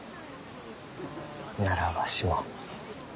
ならわしも。